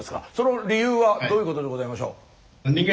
その理由はどういうことでございましょう？